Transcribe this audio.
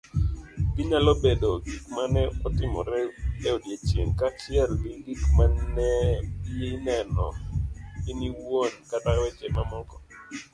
Ginyalo bedo gik mane otimore eodiochieng' , kaachiel gi gik maneineno iniwuon kata weche mamoko